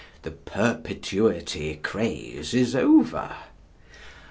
The perpetuity craze is over.